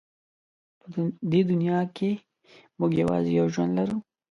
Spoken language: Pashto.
په دې دنیا کې موږ یوازې یو ژوند لرو.